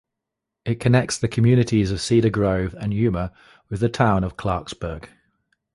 It connects the communities of Cedar Grove and Yuma with the town of Clarksburg.